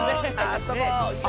あそぼうよ！